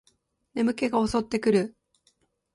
眠気が襲ってくる